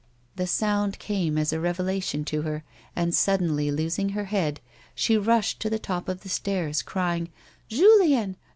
The sound came as a revelation to her, and, suddenly losing her head, she rushed to the top of the stairs, crying, " Julien